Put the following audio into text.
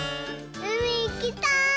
うみいきたい！